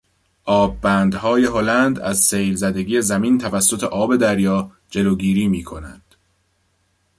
آببندهای هلند ازسیلزدگی زمین توسط آب دریا جلوگیری میکنند.